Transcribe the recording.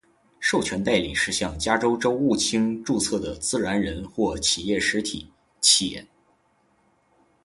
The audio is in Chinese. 授权代理是向加州州务卿注册的自然人或企业实体；且